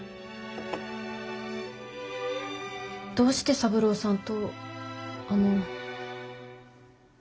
どうして三郎さんとあの。